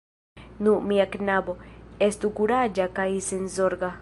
Nu, mia knabo, estu kuraĝa kaj senzorga...